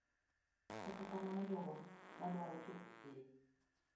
Kata kamano, jogo madwaro chopo piyo